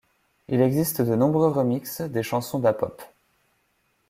Il existe de nombreux remixes des chansons d’Apop.